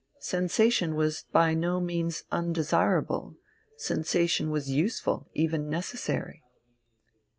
Sensation was by no means undesirable, sensation was useful, even necessary....